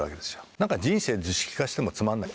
なんか人生図式化してもつまんない。